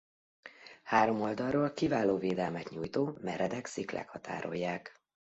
Három oldalról kiváló védelmet nyújtó meredek sziklák határolják.